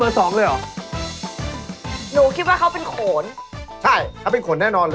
แต่อาจจะเรียงเกี่ยวกับนักศิลป์นั่นแหละ